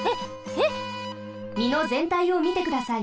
みのぜんたいをみてください。